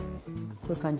こういう感じ。